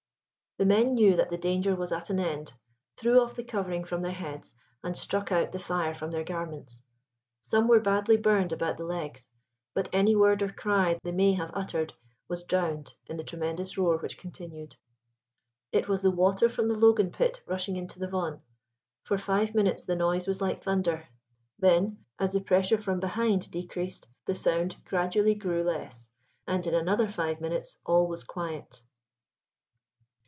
The men knew that the danger was at an end, threw off the covering from their heads, and struck out the fire from their garments. Some were badly burned about the legs, but any word or cry they may have uttered was drowned in the tremendous roar which continued. It was the water from the Logan pit rushing into the Vaughan. For five minutes the noise was like thunder; then, as the pressure from behind decreased, the sound gradually grew less, until, in another five minutes, all was quiet.